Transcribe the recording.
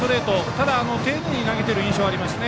ただ、丁寧に投げてる印象はあります。